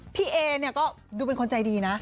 พี่เอก็ดูเป็นคนใจดี